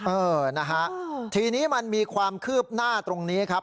เออนะฮะทีนี้มันมีความคืบหน้าตรงนี้ครับ